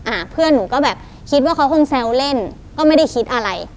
อ่าเพื่อนหนูก็แบบคิดว่าเขาคงแซวเล่นก็ไม่ได้คิดอะไร